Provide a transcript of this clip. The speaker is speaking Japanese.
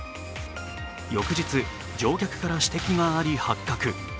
翌日、乗客から指摘があり発覚。